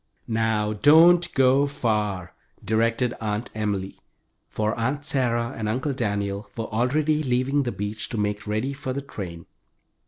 "Now don't go far," directed Aunt Emily, for Aunt Sarah and Uncle Daniel were already leaving the beach to make ready for the train.